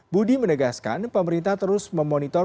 budi menegaskan pemerintah terus memonitor